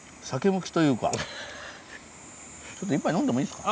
ちょっと一杯飲んでもいいですか？